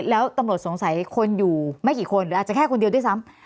แล้วตำรวจสงสัยคนอยู่ไม่กี่คนหรืออาจจะแค่คนเดียวด้วยซ้ำ